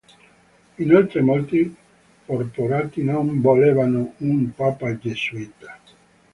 Inoltre molti porporati non volevano un papa gesuita.